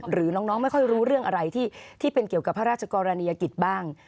หรือน้องไม่ค่อยรู้เรื่องอะไรที่เป็นเกี่ยวกับพระราชกรณียกิจบ้าง